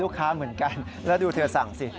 เหมือนกันแล้วดูเธอสั่งสิ